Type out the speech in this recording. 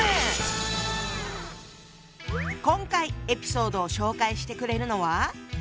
今回エピソードを紹介してくれるのは。